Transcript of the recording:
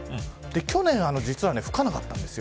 去年は実は吹かなかったんです。